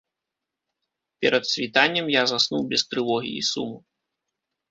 Перад світаннем я заснуў без трывогі і суму.